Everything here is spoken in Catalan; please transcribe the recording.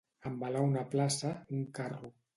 Envelar una plaça, un carro.